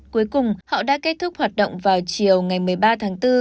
cuối cùng họ đã kết thúc hoạt động vào chiều ngày một mươi ba tháng bốn